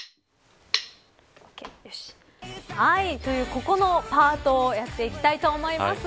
ここのパートをやっていきたいと思います。